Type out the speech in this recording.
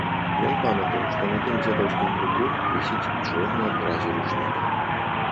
Ён памятаў, што на тым дзедаўскім круку вісіць чорны ад гразі ручнік.